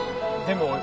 でも。